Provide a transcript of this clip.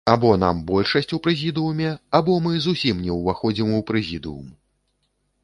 Або нам большасць у прэзідыуме, або мы зусім не ўваходзім у прэзідыум!